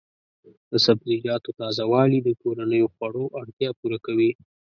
د سبزیجاتو تازه والي د کورنیو خوړو اړتیا پوره کوي.